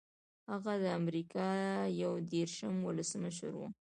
هغه د امریکا یو دېرشم ولسمشر و.